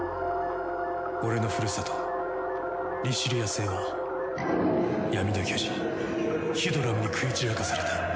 俺のふるさとリシュリア星は闇の巨人ヒュドラムに食い散らかされた。